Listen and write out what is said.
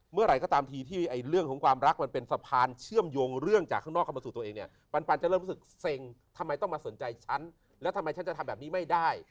เมื่อไหร่ก็ตามทีที่เรื่องของความรักมันเป็นสะพานเชื่อมโยงเรื่องจากข้างนอกเข้ามาสู่ตัวเองเนี่ยปันจะเริ่มรู้สึกเซ็งทำไมต้องมาสนใจฉันแล้วทำไมฉันจะทำแบบนี้ไม่ได้